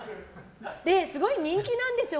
で、すごい人気なんですよ